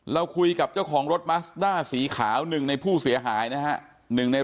เราคุยกับเจ้าของรถมัสด้าสีขาวหนึ่งในผู้เสียหายนะฮะ